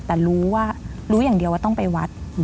แต่รู้ว่ารู้อย่างเดียวว่าต้องไปวัด